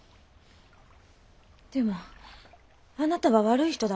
でもあなたは悪い人だわ。